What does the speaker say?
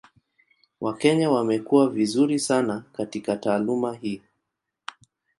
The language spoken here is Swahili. Wakenya wamekuwa vizuri sana katika taaluma hii.